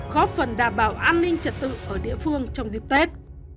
góp phần đảm bảo an ninh trật tự ở địa phương trong dịp tết